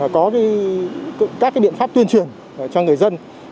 có các biện pháp tuyên truyền cho người dân